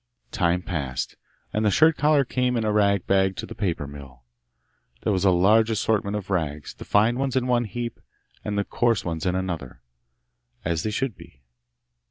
Time passed, and the shirt collar came in a rag bag to the paper mill. There was a large assortment of rags, the fine ones in one heap, and the coarse ones in another, as they should be.